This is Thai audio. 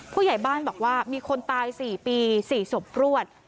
ผู้ใหญ่บ้านบอกว่ามีคนตาย๔ปี๔ศพรวด